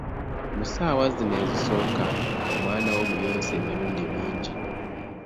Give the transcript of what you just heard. Mu ssaawa zino ezisooka, omwana wo muyonse emirundi mingi.